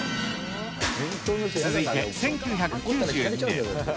続いて１９９２年。